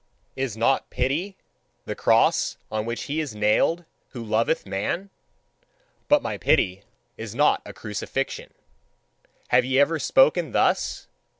Is not pity the cross on which he is nailed who loveth man? But my pity is not a crucifixion." Have ye ever spoken thus?